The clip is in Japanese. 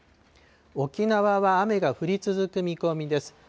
沖縄は雨が降り続く見込みです。